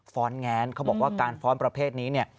้อนแงนเขาบอกว่าการฟ้อนประเภทนี้เนี่ย